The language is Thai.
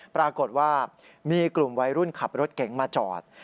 ปรากฏว่ามีกลุ่มวัยรุ่นขับรถเก๋งมาจอด